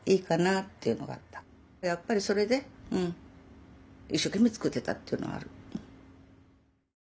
やっぱりそれで一生懸命作ってたっていうのはある。